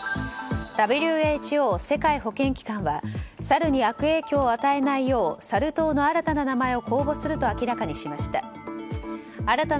ＷＨＯ・世界保健機関はサルに悪影響を与えないようサル痘の新たな名前を公募すると明らかにしました。